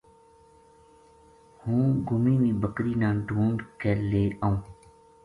ہوں گُمی وی بکری نا ڈُھونڈ کے لے آؤں